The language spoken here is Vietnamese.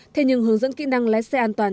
thế nhưng hướng dẫn kỹ năng lái xe an toàn